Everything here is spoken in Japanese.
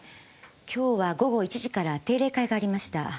今日は午後１時から定例会がありました。